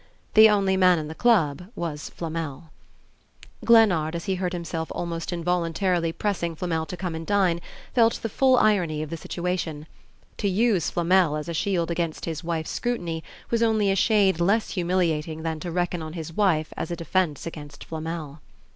The only man in the club was Flamel. Glennard, as he heard himself almost involuntarily pressing Flamel to come and dine, felt the full irony of the situation. To use Flamel as a shield against his wife's scrutiny was only a shade less humiliating than to reckon on his wife as a defence against Flamel.